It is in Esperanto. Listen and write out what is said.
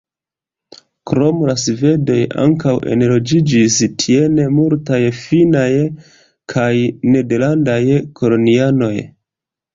Krom la svedoj ankaŭ enloĝiĝis tien multaj finnaj kaj nederlandaj kolonianoj.